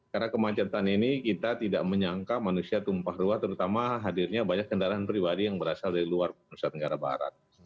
karena kemancetan ini kita tidak menyangka manusia tumpah ruah terutama hadirnya banyak kendaraan pribadi yang berasal dari luar indonesia tenggara barat